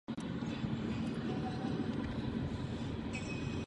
Zaměřuje se na komedie a one man show.